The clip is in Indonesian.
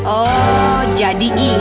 oh jadi ini